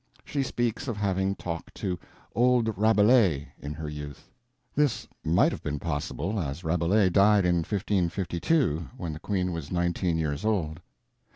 She speaks of having talked to "old Rabelais" in her youth. This might have been possible as Rabelais died in 1552, when the Queen was 19 years old.